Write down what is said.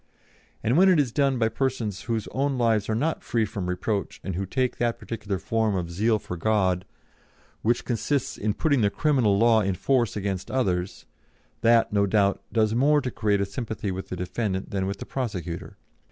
And when it is done by persons whose own lives are not free from reproach and who take that particular form of zeal for God which consists in putting the criminal law in force against others, that, no doubt, does more to create a sympathy with the defendant than with the prosecutor.